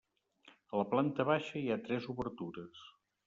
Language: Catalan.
A la planta baixa hi ha tres obertures.